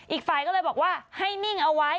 อีกฝ่ายก็เลยบอกว่าให้นิ่งเอาไว้